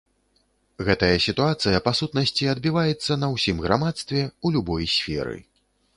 Гэтая сітуацыя па сутнасці адбіваецца на ўсім грамадстве, у любой сферы.